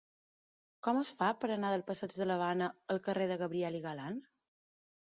Com es fa per anar del passeig de l'Havana al carrer de Gabriel y Galán?